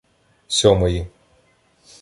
Сьомої